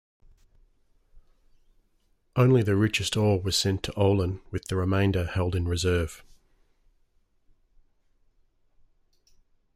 Only the richest ore was sent to Olen, with the remainder held in reserve.